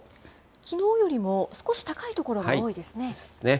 きのうよりも少し高い所が多いですね。